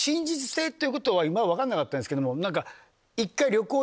今まで分かんなかったんですけども。